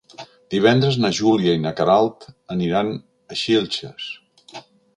Divendres na Júlia i na Queralt aniran a Xilxes.